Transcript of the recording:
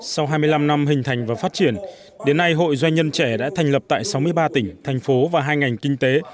sau hai mươi năm năm hình thành và phát triển đến nay hội doanh nhân trẻ đã thành lập tại sáu mươi ba tỉnh thành phố và hai ngành kinh tế